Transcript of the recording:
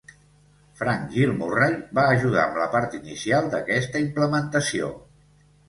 Frank Gilmurray va ajudar amb la part inicial d'aquesta implementació.